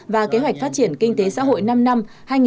và kế hoạch phát triển kinh tế xã hội năm năm